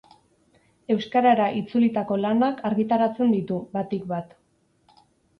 Euskarara itzulitako lanak argitaratzen ditu, batik bat.